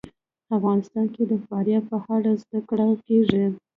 افغانستان کې د فاریاب په اړه زده کړه کېږي.